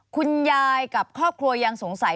คุณยายกับครอบครัวยังสงสัย